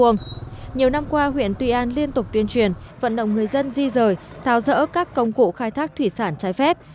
nhiều năm qua huyện tùy an liên tục tuyên truyền vận động người dân di rời thao dỡ các công cụ khai thác thủy sản trái phép